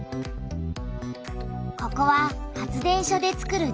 ここは発電所でつくる